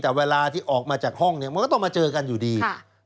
แต่เวลาที่ออกมาจากห้องเนี่ยมันก็ต้องมาเจอกันอยู่ดี